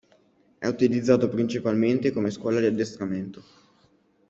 È utilizzato principalmente come scuola di addestramento.